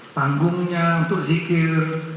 panggungnya untuk zikir